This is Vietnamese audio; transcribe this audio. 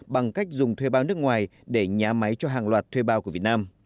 bằng cách dùng thuê bao nước ngoài để nhá máy cho hàng loạt thuê bao của việt nam